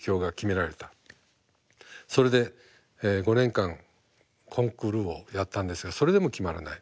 それで５年間コンクールをやったんですがそれでも決まらない。